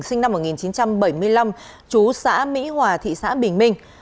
sinh năm một nghìn chín trăm bảy mươi năm chú xã mỹ hòa thị xã bình minh